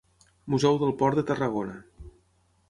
"Museu del Port de Tarragona"